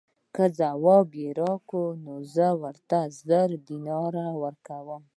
که ځواب یې راکړ نو زه ورته زر دیناره ورکووم.